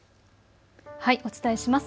お伝えします。